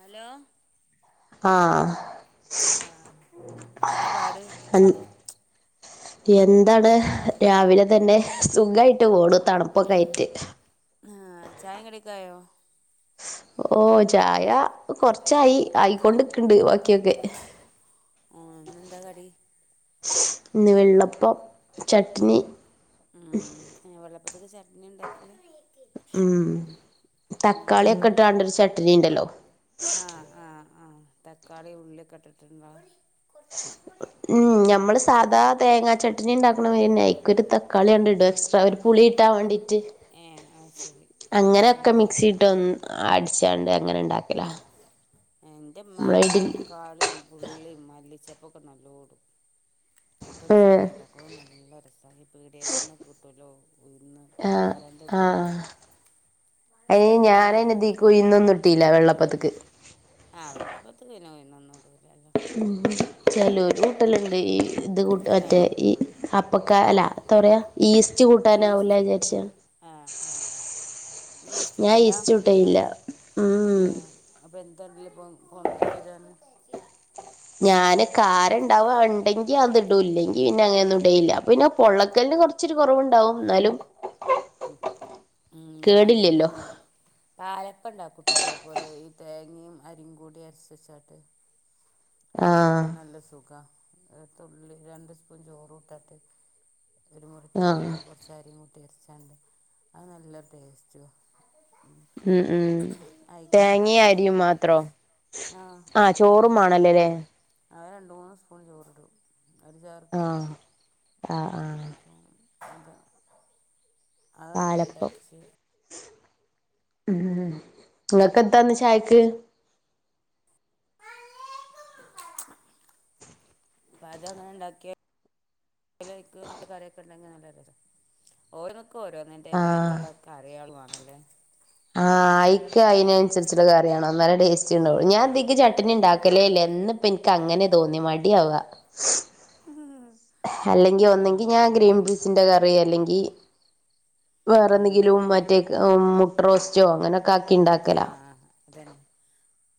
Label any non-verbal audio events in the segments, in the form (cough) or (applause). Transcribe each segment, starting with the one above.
Hello ആഹ് ആ എന്താ പാട് എൻ എന്താണ് രാവിലെ തന്നെ സുഖായിട്ട് പോണു തണു മ് ആ ചായെം കടിയൊക്കായോ? ഓഹ് ചായ കൊറ്ച്ചായി ആയിക്കൊണ്ട്ക്ക്ണ്ട് ബാക്കിയൊക്കെ. ആഹ് ഇന്നെന്താ കടി ഇന്ന് വെള്ളപ്പം ചട്നി ഹ്മ് വെള്ളപ്പത്ത്ക്ക് ചട്നിയാ ഇണ്ടാക്ക്അ തക്കാളിയൊക്ക്ട്ട്കാണ്ടൊരു ചട്നിയ്ണ്ടല്ലോ? ആ ആ തക്കാളിയും ഉള്ളിയൊക്ക്ട്ട്ട്ട് ഉം ഞമ്മള് സാധാ തേങ്ങാ ചട്നിയ്ണ്ടാക്കണമാരിയെന്നായി ഒരു തക്കാളിയാണ്ട്ട എക്സ്ട്രാ ഒരു പുളി കിട്ടാൻ വേണ്ടിട്ട്. ഏഹ് അത് ശരി ഉം അങ്ങനൊക്കെ മിക്സിട്ടും അടിച്ചാണ്ട് അങ്ങനെണ്ടാക്കും എന്റുമ്മ ഇഡ്ലി തക്കാളിയും ഉള്ളിയും മല്ലിച്ചപ്പൊക്ക നല്ലോടും മറ്റൊരു ഏഹ് ചട്ണിയ്ണ്ടാക്കും നല്ല രസാ ഈ പീടിയെക്ക്ന്ന് കിട്ടലോ ഉയ്ന്ന് ആഹ് ആ പക്ഷെ ഞാൻ അയിന്ഞാനെന്നെ തി ഉഴിന്നൊന്ന്ട്ടീല വെള്ളപ്പത്ത്ക്ക് ആഹ് വെള്ളപ്പൊത്ത്ക്കയ്ന് ഉയ്നൊന്നും ഇടുലല്ലോ ഹ്മ് ചെലോര്ടലുണ്ട് ഈ ഇത് കൂട്ട തന്നെ മറ്റേ ഈ അപ്പക്കാ പൊ അല്ല എത്ത പറയാ ഈസ്റ്റ് കൂട്ടാനാവുല്ല ഈസ്റ്റ് ആ വിചാരിച്ചതാ ആ ആ നി ഞാൻ ഈസ്റ്റ്ട്ടുലാ? ഈസ്റ്റ് കൂട്ടലില്ല ഉം ഏ അപ്പൊ എന്താ ഇടല് പ്പൊ പൊന്തി വരാന്? (unintelligible) ഞാന് കാരം ഇണ്ടാവും ഇണ്ടെങ്കി അത് ഇടും ഇല്ലെങ്കി പിന്നെ അങ്ങനൊന്ന്ടൂല്ല അപ്പ പിന്നെ പൊള്ളക്കലിന് കൊറച്ച് ഇച്ചിരി കൊറവ്ണ്ടാവും എന്നാലും ഹ്മ് കേടില്ലല്ലോ ഞാനങ്ങനെ പാലപ്പണ്ടാക്കുംട്ടോ അതേപോലെ ഈ തേങ്ങിം അരിയും കൂടി അരച്ചെച്ചാട്ട്. ആഹ് അയിനെകാട്ടില് നല്ല സുഖാ തുള്ളി രണ്ട് സ്പൂൺ ചോറു ഇട്ടാട്ട് ഒരുമുറി ആഹ് തേങ്ങിം കുറച്ചരിയും കൂട്ടിയരച്ചാണ്ട് അത് നല്ല ടേസ്റ്റും മ് ഉം ഉം അയിക്ക് തേങ്ങയും മറ്റേ അരിയും മാത്രോ ആഹ് ചോറും തേങ്ങിം മാണല്ലോല്ലേ അത് രണ്ട്മൂന്ന് സ്പൂൺ ചോറ്ടും ആഹ് ആ ആ അപ്പൊ അത് അതങ്ങനെ പാലപ്പം ഇണ്ടരച്ച് ഉം നിങ്ങക്കെന്താന്ന് ചായക്ക്? പാചകെങ്ങന്ണ്ടാക്കിയേ? (unintelligible) കറിയൊക്ക്ണ്ടെങ്കി (unintelligible) ആഹ് ഓരോന്നിന്റേതായിട്ടുള്ള കറിആള് വേണല്ലേ ആഹ് അയിക്ക് അയിനനുസരിച്ചുള്ള കറിവേണം എന്നാലേ ടേസ്റ്റ്ണ്ടാവുള്ളു ഞാൻക്ക് ഇതിക്ക് ചട്ണി ഉണ്ടാക്ക വെക്കലേയില്ലേ എന്നിപ്പെനിക്കങ്ങനെ തോന്നി മടിയാവാ ഹ്ഹ്ഹ്ഹ് അല്ലെങ്കി ഒന്നങ്കി ഞാൻ ഗ്രീൻപീസിന്റെ കറി അല്ലെങ്കി ഉം വേറെന്തെങ്കിലും മറ്റേ മുട്ടറോസ്റ്റോ അങ്ങനെ ആഹ് അതന്നെ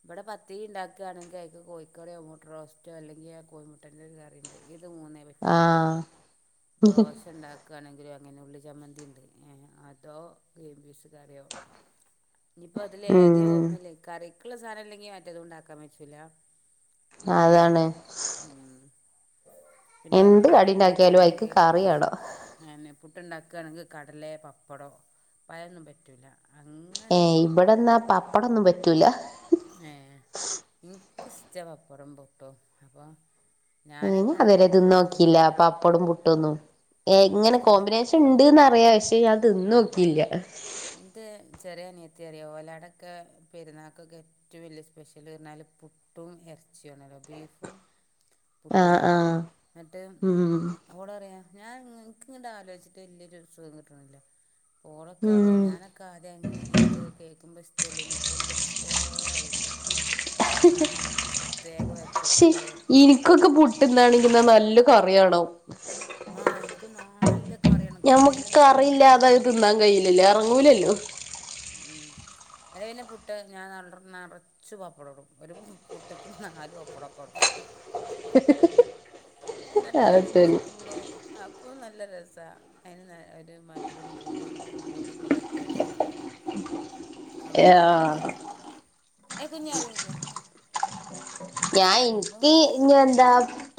ഇവടെ പത്തിരിയ്ണ്ടാക്ക്ആണെങ്കി അയ്ക്ക് കോയിക്കറിയോ മുട്ടറോസ്റ്റോ അല്ലെങ്കി ആ കോയിമുട്ട ന്റൊരു കറിയ്ണ്ട് ഇത് മൂന്നേ ആഹ് ദോശയ്ണ്ടാക്കാണെങ്കിലും അങ്ങനെ ഉള്ളി ചമ്മന്തിയ്ണ്ട് ഏ അതോ ഗ്രീൻപീസ് കറിയോ ഇനിയിപ്പോ അതില് ഏതേ ഉം ഒന്നില്ലേ കറിക്കുള്ള സാനില്ലെങ്കി മറ്റേതുണ്ടാക്കാൻ പറ്റില്ല അങ്ങനെയാണ് അതാണ് ഹ്മ് പിന്നെ എന്ത് കടി ഉണ്ടാക്കിയാലും അയിക്ക് പുട്ടുണ്ടാക്ക്ആണെങ്കിൽ കറിയാണം ആയെന്നെ പുട്ട്ണ്ടാക്ക്ആണെങ്കി കടലേ, പപ്പടോ, പയൊന്നും പറ്റൂല്ല. ഏഹ് ഇവിടെന്നാ പപ്പടൊന്നും പറ്റൂല ഏഹ് ഇൻക്ക് ഷ്ട്ടാ പപ്പടം പുട്ടും അപ്പൊ ഞാന് പത് വരെ ത്ന്ന് നോക്കീല്ല പപ്പടോം പുട്ടൊന്നും ഏങ്ങനെ എനിക്കിഷ്ട കോമ്പിനേഷണ്ട് ന്നറിയാ പക്ഷെ ഞാ ത്‌ന്നോക്കില്ലാ ഇൻ്റെ ചെറിയ അനിയത്തിറിയ ഓലോടൊക്കെ പെര്ന്നാക്കൊക്കെ റ്റവും വെല്ല്യ സ്പെഷ്യല് അർഞ്ഞാല് പുട്ടും എർച്യാണോല്ലോ ബീഫും ആഹ് പുട്ട്ന്നറിം ആഹ് ന്ന്ട്ട്? ഉം ഓള് പറയാ ഞാ ഇൻങ്ങനെ ആലോയ്ച്ച്ട്ട് വല്ല്യേ രസൊന്നും ക്ട്ട്ണില്ല ഉം ഓളൊക്കെറിയാം ഞാനൊക്കെ ആദ്യ അങ്ങനേന്ന് ഇൻക്ക് കേൾക്കുമ്പോ ഇഷ്ടല്ല്യേനി ഇപ്പന്തൊരിഷ്ട്ടാ പറീണ്ട് അങ്ങനെ പ്രത്യേക വെപ്പൊക്കെ ണ്ടാകേര്ക്കും ഇൻക്കൊക്കെ പുട്ട്ന്നാണങ്കി നല്ല കറ്യാണം. ആഹ് ഇൻക്കും നാല്ലെ ഞമ്മക്ക് കറില്ലാതെ അത് തിന്നാൻ കയില്ലല്ലേ എർങ്ങൂലല്ലോ ഉം (unintelligible) ഞാം പുട്ട് നെറച്ച് വപ്പടഠ എടുകും ഒര് പുട്ട് ക് നല്ല് വപടഠ എടുകും. ന്നട്ട് അതൊക്കെയാണ് ന്നും അപ്പോ നല്ല രസാ അതിന് ഒര് മദുരം പുളിയും ഉപ്പുങ്കൂട്യോക്കൊള്ളൊര് ടേസ്റ്റ് കിട്ടും അപ്പൊ ആഹ് ത്ന്ന് ഏഹ് കുഞ്ഞ് എറങ്ങിക്ക് ഞാ ഇൻക്കീ ന്എന്താ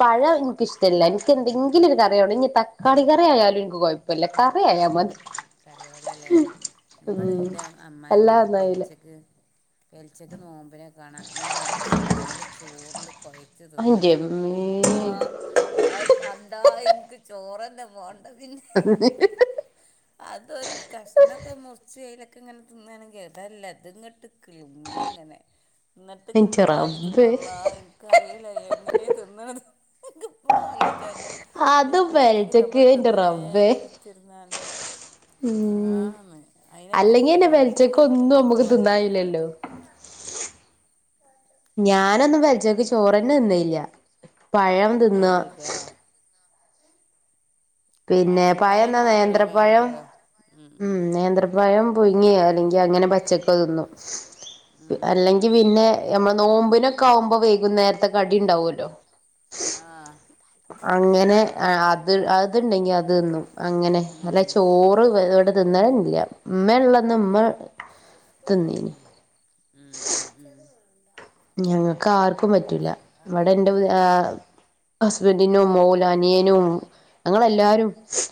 പഴം ഇൻക്കിഷ്ടല്ല ഇൻക്കെന്തെങ്കിലും ഒര് കറിയാണം ഇനി തക്കാളി കറിയായാലും ഇൻക്ക് കൊയ വല്ല കറിയായാമതി കറിവള്ളല്ലേ ഇവടെന്റെ അമ്മായിമൊക്കെ അല്ലാന്നായില്ല പെൽച്ചക്ക് പെലച്ചക്ക് നോമ്പിനൊക്കെ കാണാ ഈ മൈസൂർ പയണ്ട് ചോറില് കൊ ച്ച് ത് ന്ന്ണ് അന്റെമ്മേ അല്ലാഹ് അത് കണ്ടാ ഇൻക്ക് ചോറെന്നെ വാണ്ട പിന്നെ (inaudible) അതൊരു കഷ്ണൊക്കെ മുർച്ച് അതിലൊക്കെങ്ങനെ ത്ന്നാണെങ്കി ഇതല്ല ഇത് അങ്ങട്ട് ക്ള്മ്പും ങ്ങനെ എന്റെ ന്ന്ട്ട്ങ്ങട്ട് വാരി ത്ന്നും റബ്ബേ അല്ലാഹ് ഇൻക്കറീല എങ്ങനെ ത്ന്നാന് പ്പ ഇപ്പക്ക് ആലോയ്ചാം വെച്ച അതും പെൽച്ചക്ക് ഞമ്മള് എന്റെ ത്ന്ന്ണേന്നെ ചെർന്നാണ്ട് മ് അങ്ങനെയൊക്കെയാ അല്ലെങ്കിന്നെ വേണ്ടി അത് പെലച്ചക്കൊന്നും എവിടേക്ക് ഞമ്മക്ക് ത് പോവല്ലേ ന്നാകഴീല്ലല്ലൊ ഞാനൊന്നും പെൽച്ചക്ക് പിന്നെ ചോറന്നെ തിന്നെൽല്ല പയം ബെഗോയ്ക്കാ പിന്നെ പഴം പഴം പയംന്നാ മാത്രമേ അതിനകത്ത് നേന്ത്രപ്പയം പഴം ഉം നേന്ത്രപയം പുയ്ങ്ങി അല്ലെങ്കി അങ്ങനെ പച്ചക്കൊ തിന്നും ഉം അല്ലെങ്കി പിന്നെ ഞമ്മള് നോമ്പിനൊക്കെ ആകുമ്പോ വൈകുന്നേരത്തെ കടിണ്ടാവോല്ലൊ ആഹ് അങ്ങനെ ആഹ് അത് അത്ണ്ടെങ്കി അത് തിന്നും അങ്ങനെ അല്ല ഉം ഉം ചോറ് ഇവ്ടെ തിന്നെൻല്യ ഇമ്മെള്ളന്ന് ഇമ്മ മ് ഉം ഉം ഉം ഞങ്ങക്കാർക്കും പറ്റൂല ഇവടെന്റെ ആ ഹസ്ബന്റിനും ഓലനിയനും ഞങ്ങളെല്ലാരും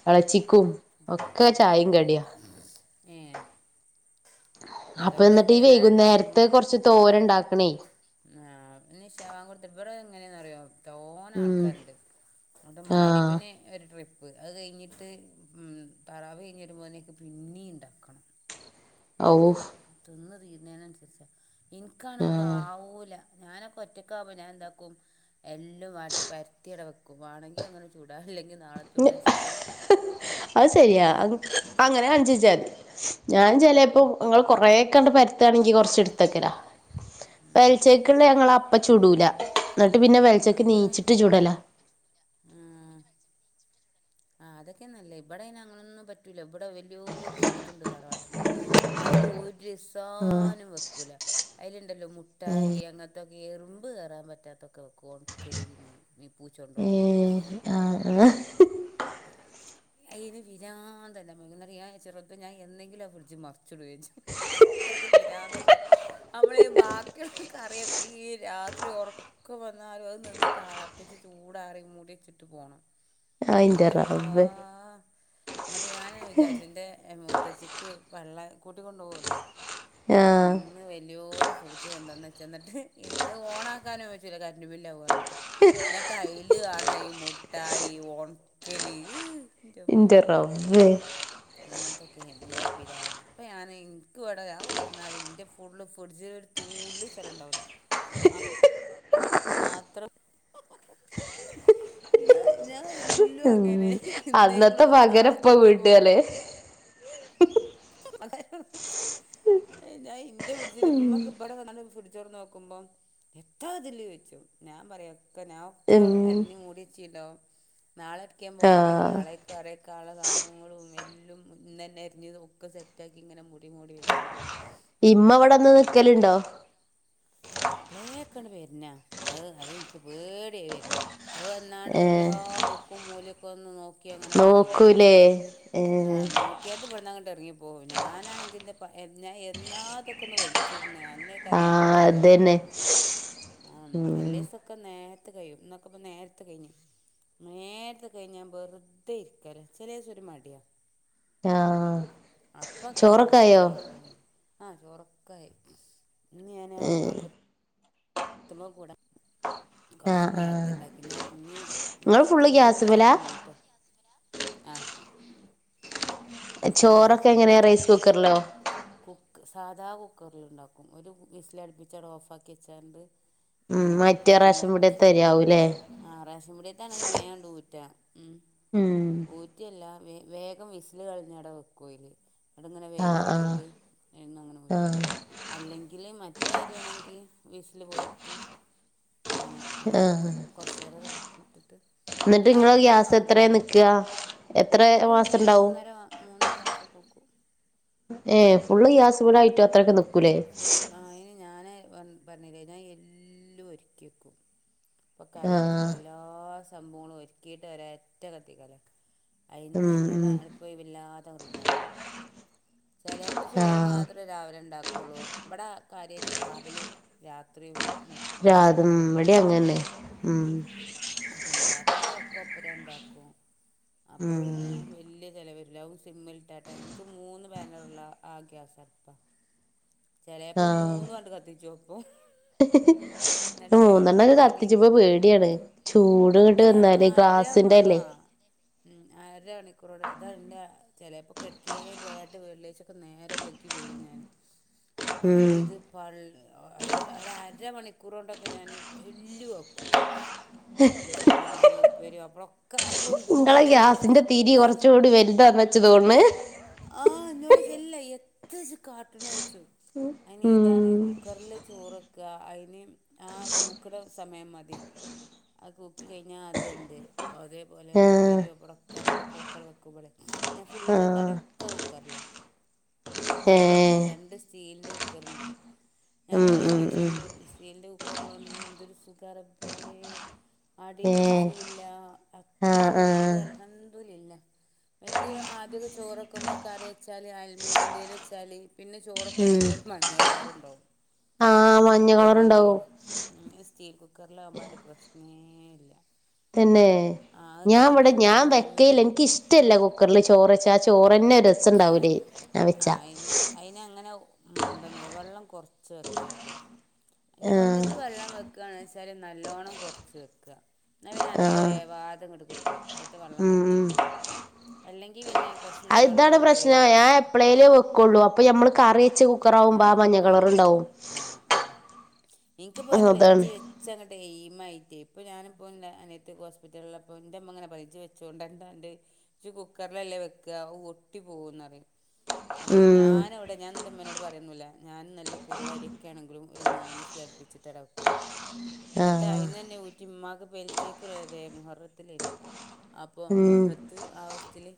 എളച്ചിക്കും ഇതൊ (unintelligible) ഏ അപ്പന്ന്ട്ടേ ഈ വൈകുന്നേരം വൈകുന്നേരത്തേ ഉണ്ടാക്കുമ്പം കൊർച്ച് തോരൻണ്ടാക്കണെയ് ആഹ് ഞ് ഇശാബാങ്കോട്ത്ട്ട് ബടെങ്ങനെന്നറിയോ തോനെ ഉം ആൾക്കാര്ണ്ട് എന്നിട്ട് മഹ് ആഹ് രിബിന് ഒര് ട്രിപ്പ് അത് കഴിഞ്ഞിട്ട് മ് തറാവീ കഴിഞ്ഞ് വര്മ്പോത്തിന് പിന്നീണ്ടാക്കണം ഔ അത് തിന്ന് തീര്ണെനൻസരിച്ചാ ഇൻക്കാണെങ്കി ആഹ് ആവൂല ഞാനൊക്കെ ഒറ്റക്കാവുമ്പോ ഞാനെന്താക്കും എല്ലും വാട്ടി പരത്തിയിവിട വെക്കും വാേണെങ്കിൽ അങ്ങനെ ചൂടാ അല്ലെങ്കി (unintelligible) അത് ശരിയാ അങ്ങനെ കാണിച്ച് വച്ചാ മതി. ഞാൻ ചെലപ്പോ ഞങ്ങൾ കൊറേക്കെ അങ്ങട് പരത്തുണെങ്കി കുറച്ച് ത്തക്കലാ ഉം പെലച്ചക്കുള്ളത് ഞങ്ങള അപ്പ ചുടൂല ന്നട്ട് പിന്നെപലചക് ഇവിടെ അതിന്, നീച്ചിട്ട് ചൂടലാ ആ ആ അതൊക്കെന്നല്ല ഇവിടെ അങ്ങനൊന്നും പറ്റൂല ഇവിടെ വലിയോ രു ഫ്രിഡ്ജ് ഉണ്ട് തറവാട്ടില് അയ്ല് ഒരു സാനം വെക്കൂല അതിലുണ്ടല്ലോ മുട്ടായി അങ്ങനത്തൊക്കെ എറുമ്പ് കേറാൻ പറ്റാത്തൊക്കെ വെക്കും ഉണക്കലിൻ മീൻ പൂച്ച ഏ കൊണ്ട്പോണീന് ആ ആ അയിന് വിരാന്തല്ല ന്നട്ട് ഞയാരിച്ചും ഞാൻ എന്നെങ്കിലും ആ ഫ്രിഡ്ജ് മറിച്ചിടേം ചെയ്യും എനിക്ക് അത്രക്ക് പ്പിരാന്ത് പുടിച്ചും നമ്മള് ബാക്കിയുള്ള കറിയൊക്കെ ഈ രാത്രി ഉറക്ക ഒക്കെ വന്നാലും അത് നിന്ന് തളപ്പിച്ച് ചൂടാറി മൂടി വെച്ചിട്ട് പോണം ആ ഇന്റെ എന്റള്ളാ റബ്ബേ എന്നിട്ട് ഞാന് വിചാരിച്ചു എന്റെ മൂത്തച്ചി ക്ക് പള്ള കൂട്ടി കൊണ്ടു പോകുവല്ലോ ആ അന്ന് വലിയോര് ഫ്രിഡ്ജ് ഇണ്ടന്ന് വച്ച് ന്നിട്ട് അത് ഓണക്കാനും പറ്റില്ല കറന്റ് ബില്ല് ആവും പറഞ്ഞിട്ട് എന്നിട്ട് അയിൽ ആണ് ഈ മുട്ടായി ഈ ഓണക്കല് ഇന്റെ റബ്ബേ അങ്ങനെതൊക്കെ ഇവിടെ പിരാന്ത്‌ ഇപ്പ ഞാന് ഇൻക്ക് ഇവിടെ ഞാൻ കുതിർന്നലെ ഇവിട എന്റെ ഫുള്ള് ഫ്രിഡ്ജ് തൂള്ളി സ്ഥലം ഉണ്ടാവില്ല അത്ര (unintelligible) എന്നാ ഞാൻ എല്ലോ അങ്ങനെ ഉം ഇന്നേക്കൂള്ളൂ അന്നത്തെ പകരം ഇപ്പ നാളൊക്കെടക്ക പോവാ വീട്ടുകാലേ അതെ ഞാൻന്റെ ഫ്രിഡ്ജില് ഇമ്മക്ക് ഇവിടെ വന്ന് ഫ്രിഡ്ജ് തൊറന്ന് നോക്കുമ്പോ എത്താതിലൊയ്ച്ചും ഞാൻ പറയാ ഒക്കെ ഞാൻ ഒക്കെ ഉം അരിഞ്ഞ് മൂടി വച്ചിണ്ടാവും നാളെ ഒടകേം ആ പോകുവാണെങ്കിൽ നാളെ കറി വെക്കാനുള്ള സാധനങ്ങളും എല്ലാം ഇന്ന് തന്നെ അരിഞ് ഒക്കെ സെറ്റാക്കിങ്ങനെ മൂടി മൂടി വെച്ചിണ്ടാവും ഇമ്മ ഇവിടെ വന്ന് നിൽക്കലുണ്ടോ എപ്പളെക്കെയാണ് വരുന്ന അത് അതെനിക്ക് പേടിയായി വരുന്നേ അത് വന്നാണ്ട് ഏ എല്ലാ മുക്കും മൂലയൊക്കെ ഒന്ന് നോക്കി അങ്ങനെ അങ്ങട്ട് പോകും നോക്കൂലേ ഏ ആ നോ നോക്കിയാണ്ട് ഇവടന്ന് അങ്ങട്ട് ഇറങ്ങിപ്പോവും ഞാനാണങ്കി ഞൻ എന്നാതൊക്കെ ഒന്ന് വലിച്ചിടുന്ന അന്നേ ആ മുപ്പത്തിയാരെ വരവ് അതന്നെ തന്നെ ആ ഉം അല്ലേ ക്കെ നേരത്ത് കഴിയും ഇന്നൊക്കെപ്പ നേരത്തെ കഴിഞ്ഞു നേരത്തെ കഴിഞ്ഞാൻ വെറുതെ ഇരിക്കലാ ചിലെ ദിവസം ഒരു മടിയാ ആ അപ്പ കാണാ ആരേലും ആ ചോറ്ക്കായി ഇന്ന് ഞാന് അപ്പ (unintelligible) കൂടാം കുറച്ച് ആഹ് നേരത്തെ ആഹ് ഇണ്ടാക്കി ഇന്ന ഇനി ഇങ്ങള് ഇനി ഫുള്ള് തിരുമ്പി ഗ്യാസ്മ്മലാ വിളിചാൻ ആ ചോറൊക്കെ ഗ്യാസ്മ്മലാ എങ്ങനെയാ റൈസ് ഇണ്ടാക്കല് കുക്കറിലോ കുക്ക് സാധാ കുക്കറില് ഉണ്ടാക്കും ഒരു വിസില് അടുപ്പിച്ചട് ഓഫ് ആക്കി വെച്ചാണ്ട് ഉം മറ്റേ റേഷൻ പിന്നെ പീടീത്തി അരി ആവും അല്ലേ ആ റേഷൻ പീടികത്തെ ആണെങ്കി വേഗം ഉണ്ട് ഊറ്റാ ഉം ഊറ്റിയല്ല വ വേഗം വിസില് കളഞ് അവിടെ വെക്കും അതില് അന്നട്ട് ഇങ്ങനെ വേവ് ആഹ് ആഹ് നോക്കിട്ട് എന്ന് അങ്ങനെ ഊറ്റും ആഹ് അല്ലെങ്കിൽ മറ്റേ അരി ആണെങ്കിൽ വീസില് പോയിട്ട് ഏ ആഹ് അങ്ങനെടുക്കും കുറച്ചേരം അതിട്ടിട്ട് എന്നിട്ട് ഇങ്ങളെ ഇന്നാലും എന്തും ഗ്യാസ് എത്രേ ആവലൊന്നുല്ലാ നിക്കാ എത്ര എന്റെ മാസണ്ടാവും മൂന്നര മൂന്നര മാസൊക്കെ ഒക്കും ഏ ഫുള്ളും ഗ്യാസിന്മേലായിട്ടോ അത്രക്ക് നിക്കും ഫുൾ അയിന് ഞാന് പറഞ്ഞില്ലേ ഞാന് എല്ലും ഒരിക്കി വെക്കും ഇപ്പ കറിക്കുള്ള ആഹ് എല്ലാ സംഭവങ്ങളും ഒരുക്കിയിട്ട് ഒരൊറ്റ കത്തിക്കലാ ആയിന്ന് ഉം ഉം ഇങ്ങനെ ഒലിവ്വില്ലാതെയങ്ങട് ഇണ്ടാക്കും ചേലപ്പോ ചോറ് ആഹ് മാത്രം രാവിലെ ഇണ്ടാക്കും ഉളു ഇവിടെ കാര്യയിട്ട് രാവിലെയും രാത്രിയും മുക് രാതും ഇവിടേം അങ്ങനെ ഉം അപ്പൊ ഇണ്ടാക്കുമ്പോ ഒക്കെ ഒപ്പരണ്ടാക്കും അപ്പൊ ഉം പിന്നെ വല്യ ചെലവില്ല സിമ്മിലിറ്റട്ടാ എനിക്ക് മൂന്ന് ബാനറുള്ള ആ ഗ്യാസടുപ്പ ചിലപ്പോ മൂന്നു അൺട്ട് കത്തിച്ചക്കും മൂന്നെണ്ണംക്ക കത്തിച്ച് പ്പോ പേടിയാണ് ചൂട് നീണ്ട് പക്ഷേ നിന്നാലേ അര മ ആ ഗ്ലാസ്സിന്റെയല്ലേ ഉം അര മണിക്കൂറോണ്ട് അതാ എന്റ ചിലപ്പൊക്കെ ഇടക്കെ പോയാട്ട് വെള്ളിയാഴ്ച്ചൊക്കെ നേരെ ക്കി വെരും ഞാന് ഉം അതിലിത്പ്പാ ഒര അര മണിക്കൂറ് കൊണ്ടൊക്കെ ഞാനെല്ലും ആക്കും ചോറും കറീം ഉപ്പേരി പപ്പടം ഇങ്ങളെ ഗ്യാസിന്റെ തിരി (unintelligible) കുറച്ചുകൂടി വലുതാന്ന് വെച്ച് തോണ് ആഹ് എന്നോട് വെല്ല എത്ത് ഇജ്ജ്കാട്ട്ണോച്ചും അയിന് ഇതാണ് ഉം കുക്കറില് ചോറ് വക്കുക അയിന് ആ കൂക്കണ സമയം മതി അത് കൂക്കി കയിഞ്ഞാൽ അത് വെന്ത് അതേപോലെ ആഹ് ഉപ്പേരിം പപ്പടോം ഒക്കെ അപ്പറൊ ഇപ്പറോ വെക്കും മ്പള് ഞാൻ ഫുള്ള് ആഹ് കറിയൊക്കെ കുക്കറില ചെറിയ കുക്കറ ഏഹ് രണ്ട് സ്റ്റീലിന്റെ കുക്കറുണ്ട് ഞാൻ ഉം ഉം വിജരിച്ചു ഉം സ്റ്റീലിന്റെ കുക്കറിലെ എന്തരു സുഖാറബ്ബെ അടി ഏഹ് പിടിച്ചൂല്ല ആഹ് അത്ര ഇൻക്ക് ആഹ് അൽഹംദുലില്ലാഹ് മറ്റേ ആദ്യൊക്കെ ചോറ് വക്കുമ്പോ കറി വെച്ചാല് അൽമിനത്തിന്റെല് വെച്ചാല് പിന്നെ ചോറൊക്കു ബോ ഉം ഒരു അയ്മ. മഞ്ഞ കളർണ്ടാവും ആഹ് അപോ ഒരു മഞ്ഞ കതേ കളറുണ്ടാവും ടസ്റ്റീൽ കുക്കറിൽ ആക്ബോ അ ഒരു പ്രശ്നേയില്ല തന്നെ ഞാനിവിടെ ഞാൻ തെളിഞ്ഞിട്ട് വെക്കെയില്ല വരും എനിക്കിഷ് ഇഷ്ടല്ല കുക്കറില് ചോറ് വച്ച ആ ചോറന്നെ രസംണ്ടാവൂലേയ് ആ അയിന് അയിനങ്ങനെ മ്മ ന്താ അറിയോ വെള്ളം കുറച്ച് വെക്കരുത് ആഹ് ഒന്നക്ക് വെള്ളം വെക്കുകാണേന്നുവെച്ചാല് നല്ലോണം കൊറച്ച് വെക്കുക എന്നാപിന്നെ അധികം ആഹ് വേവാതെ ഇങ്ങട്ട് കിട്ടും അയിത്തെ വെള്ളം ഉം വറ്റി ഉം ഇങ്ങട്ട് അല്ലെങ്കി പിന്നെ കുറച്ച് അയ് നല്ലോണം ഇതാണ് വെള്ളം പ്രശ്നം ഏറ്റി ഞാൻ വെക്കുക എപളേലുംവെക്കുള്ളു അപ്പൊ ഞമ്മള് കറി ആ കുക്കറാവുമ്പോ മഞ്ഞ ആ കളർ ഉണ്ടാവും ആ ആ ഇൻക്ക്പ അങ്ങനെ വെച്ച് അതാണ് വെച് വെച്ചെങ്ങട്ട് എയിമായിട്ട് ഇപ്പോൾ ഞാനിപ്പോയില്ലേ ന്റെ അനിയത്തിയൊക്കെ ഹോസ്പിറ്റലുള്ളപ്പോ എൻ്റെമ്മങ്ങനെ പറേം ജ്ജ് വെച്ചുകൊണ്ടരണ്ടാന്റ് ജ്ജ് കുക്കറിലെല്ലേ വെക്കുക ഒട്ടി പോകുന്നു പറയും അപ്പൊ ഉം ഞാനവിടെ ഞാനന്നിട്ടുമ്മേനോട് പറയോന്നുല്ല ഞാൻ നല്ല കുറുവരിയൊക്കെ ആണെങ്കിലും ഒരു മൂന്ന് വിസ്ൽ അടിപ്പിച്ച്ട്ട് അവിടെ വെക്കും ന്നിട്ട് ആഹ് അയിൽന്നന്നെ ഊറ്റി ഉമ്മാക്ക് പെലച്ചേക്കേഇള്ളത്. മുഹറത്തിലേനിക്കും അപ്പൊ ഉം മുറത്ത് ആഗസ്റ്റില്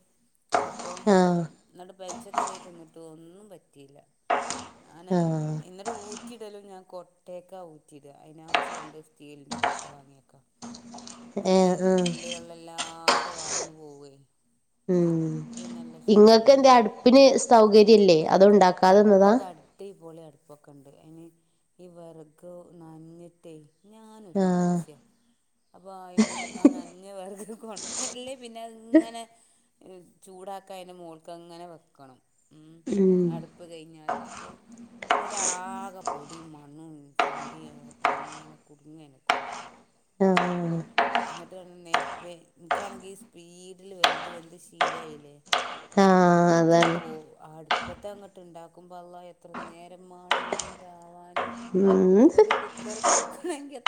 അപ്പോ ആഹ് എന്നിട്ട് പെലച്ചക് വരെ തിന്നീട്ടു ഒന്നും പറ്റിയില്ല ഞാനൈ ആഹ് എന്നിട്ട് ഊറ്റിയിടലും ഞാൻ കൊട്ടയക്കഊറ്റിടുക അയിനായിട്ട് രണ്ട് സ്റ്റീലിൻ്റെ കൊട്ട വാങ്ങിക്കാ എന്നിട്ട് ഏഹ് അയിന് ആഹ് തുള്ളി വെള്ളല്ലാതെ വാർന്നു പോവ്വേ ഉം ഇങ്ങക്ക് എന്തെ തിന്നാന് അടുപ്പിന് സൗകര്യല്ലേ അത് ഉണ്ടാക്കാതെ നിന്നതാ ഇതേ പോലെ അടുപ്പൊക്കെ ഉണ്ട് അയിന് ഈ വെറക് നഞ്ഞിട്ടേ ഞാനൊരു ആഹ് മടിച്ചിയാ അപ്പൊ അയിന്മന്ന് ആ നനഞ്ഞ വെറകൊക്കൊണങ്ങി അല്ലേ പിന്ന തിങ്ങനെ ഇത് ചൂടാക്കാൻ അയിന്റെ മോളിക്കങ്ങനെ വെക്കണം ഉം ഉം അടുപ്പ് കയിഞ്ഞാല് അപ്പൊ ന്നിട്ടാകെ പൊടിം മണ്ണും ചണ്ടിയായിട്ട് ഇങ്ങനെ കുടുങ്ങ (unintelligible) എനക്കുണ്ട് (unintelligible) അപ്പോം ആഹ് എന്നിട്ട് (unintelligible) നിക്കാണെങ്കിൽ ഈ സ്പീഡില് വെന്ത് വെന്ത് ശീലായില്ലേ എന്നിട്ട് ആഹ് ഇത് അതാണ് കോ അടുപ്പത്തങ്ങോട്ട് ഇണ്ടാക്കുമ്പോ അളളാ എത്ര നേരംമാണേലും ഇതാവാന് ഉം ഒരു കുക്കറ് കൂക്കണേങ്കി എ